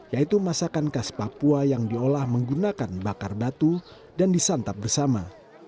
yaitu masakan khas papua yang diolah menggunakan bakar batu dan disantap bersama